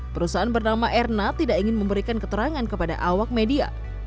perusahaan bernama erna tidak ingin memberikan keterangan kepada awak media